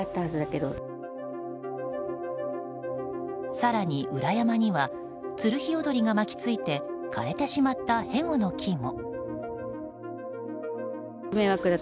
更に、裏山にはツルヒヨドリが巻き付いて枯れてしまったヘゴの木も。